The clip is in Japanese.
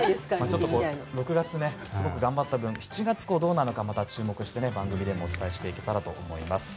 ６月、すごく頑張った分７月にどうなるかまた注目して番組でもお伝えしていければと思います。